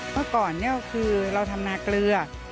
เมื่อก่อนคือเราทำลาเกลือ